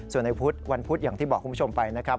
ส่วนในพุธวันพุธอย่างที่บอกคุณผู้ชมไปนะครับ